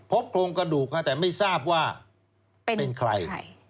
โครงกระดูกแต่ไม่ทราบว่าเป็นใคร